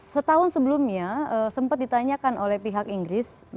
setahun sebelumnya sempat ditanyakan oleh pihak inggris